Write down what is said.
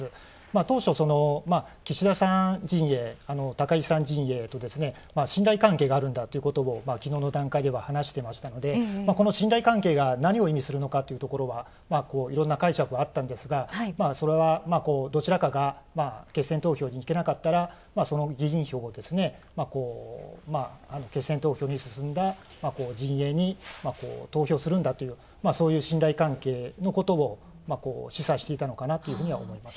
当初、岸田さん陣営、高市さん陣営と信頼関係があるんだということをきのうの段階では話していましたのでこの信頼関係が何を意味するのかというところはいろんな解釈はあったんですが、それはどちらかが決選投票にいけなかったらその議員票を決選投票に進んだ陣営に投票するんだという、そういう信頼関係のことを示唆していたのかなというふうには思います。